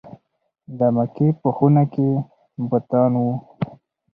د مکې په خونه کې بوتان وو.